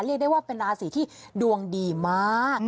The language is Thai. เรียกได้ว่าเป็นราศีที่ดวงดีมาก